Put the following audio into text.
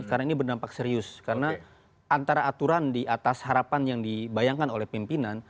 karena ini berdampak serius karena antara aturan di atas harapan yang dibayangkan oleh pimpinan